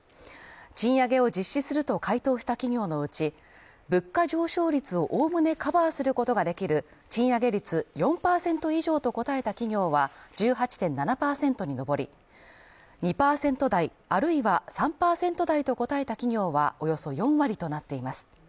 賃上げを実施すると回答した企業のうち、物価上昇率をおおむねカバーすることができる賃上げ率４％以上と答えた企業は１８．７％に上り、２％台、あるいは３％台と答えた企業はおよそ４割となっています。